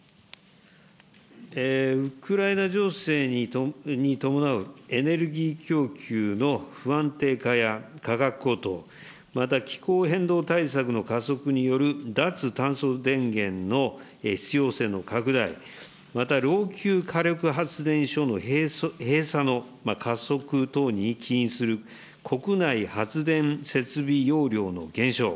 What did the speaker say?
ウクライナ情勢に伴うエネルギー供給の不安定化や価格高騰、また気候変動対策の加速による脱炭素電源の必要性の拡大、また老朽火力発電所の閉鎖の加速等に起因する、国内発電設備容量の減少。